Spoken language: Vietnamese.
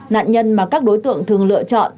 nạn nhân mà các đối tượng thường lựa chọn